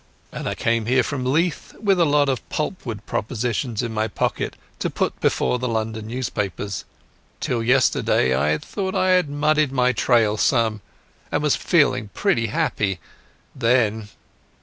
And I came here from Leith with a lot of pulp wood propositions in my pocket to put before the London newspapers. Till yesterday I thought I had muddied my trail some, and was feeling pretty happy. Then...."